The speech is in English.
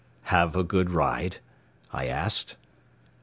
"Have a good ride?" I asked.